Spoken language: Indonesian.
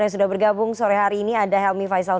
yang sudah bergabung sore hari ini ada helmi faisal